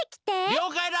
・りょうかいだ！